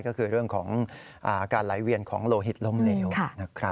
ก็คือเรื่องของการไหลเวียนของโลหิตล่มเลว